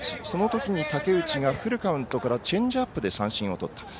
そのときに武内がフルカウントからチェンジアップで三振をとった。